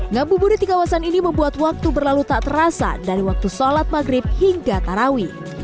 ngabuburit di kawasan ini membuat waktu berlalu tak terasa dari waktu sholat maghrib hingga tarawih